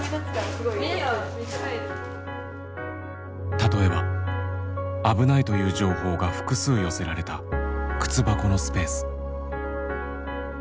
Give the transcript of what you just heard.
例えば危ないという情報が複数寄せられた靴箱のスペース。